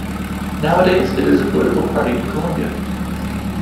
Nowadays it is a political party in Colombia.